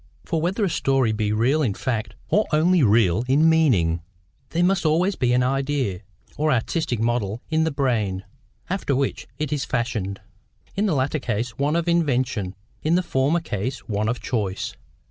For whether a story be real in fact, or only real in meaning, there must always be an idea, or artistic model in the brain, after which it is fashioned: in the latter case one of invention, in the former case one of choice.